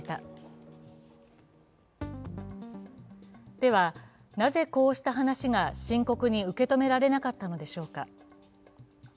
では、なぜこうした話が深刻に受け止められなかったのでしょうか。